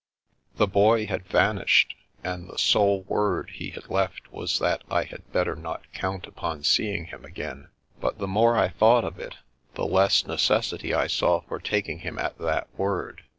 The Boy had vanished, and the sole word he had left was that I had better not count upon seeing him again. But the more I thought of it, the less ne cessity I saw for taking him at that word.